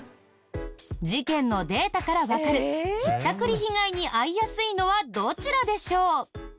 事件のデータからわかるひったくり被害に遭いやすいのはどちらでしょう？